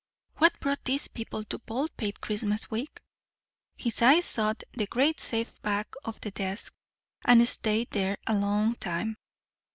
What brought these people to Baldpate Christmas week? His eyes sought the great safe back of the desk, and stayed there a long time.